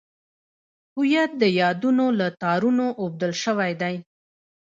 هویت د یادونو له تارونو اوبدل شوی دی.